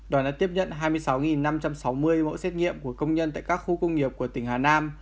đoàn đã tiếp nhận hai mươi sáu năm trăm sáu mươi mẫu xét nghiệm của công nhân tại các khu công nghiệp của tỉnh hà nam